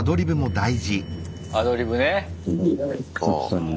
アドリブね。